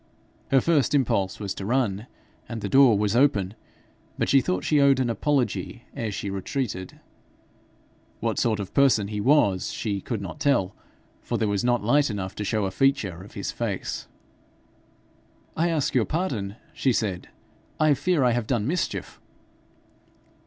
Her first impulse was to run, and the door was open; but she thought she owed an apology ere she retreated. What sort of person he was she could not tell, for there was not light enough to show a feature of his face. 'I ask your pardon,' she said; 'I fear I have done mischief.'